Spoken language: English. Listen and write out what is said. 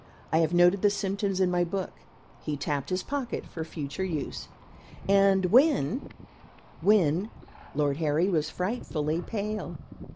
I have noted the symptoms in my book" he tapped his pocket "for future use." "And when when " Lord Harry was frightfully pale.